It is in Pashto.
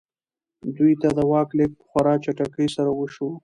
دوی ته د واک لېږد په خورا چټکۍ سره وشو.